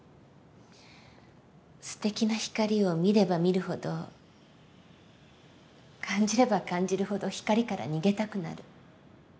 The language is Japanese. すてきな光を見れば見るほど感じれば感じるほど光から逃げたくなる。